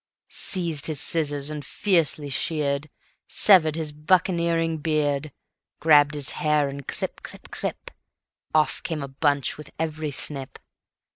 Seized his scissors and fiercely sheared, Severed his buccaneering beard; Grabbed his hair, and clip! clip! clip! Off came a bunch with every snip.